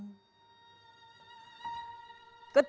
tuhan yang maha rahman